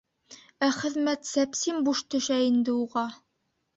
Ә хеҙмәт сәпсим буш төшә инде уға.